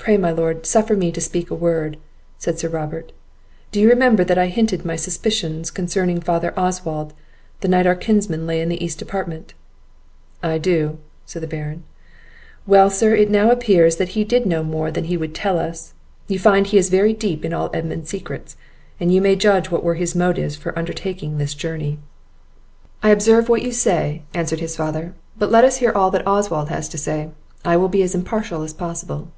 "Pray, my lord, suffer me to speak a word," said Sir Robert. "Do you remember that I hinted my suspicions concerning father Oswald, the night our kinsmen lay in the east apartment?" "I do," said the Baron. "Well, sir, it now appears that he did know more than he would tell us; you find he is very deep in all Edmund's secrets, and you may judge what were his motives for undertaking this journey." "I observe what you say," answered his father, "but let us hear all that Oswald has to say; I will be as impartial as possible."